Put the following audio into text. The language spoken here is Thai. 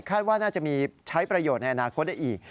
ว่าน่าจะมีใช้ประโยชน์ในอนาคตได้อีก